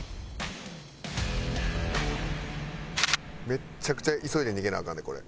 めっちゃくちゃ急いで逃げなアカンでこれ。